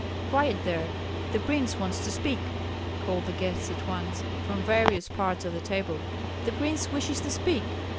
"Quiet there! the prince wants to speak!" called the guests at once, from various parts of the table. "The prince wishes to speak!"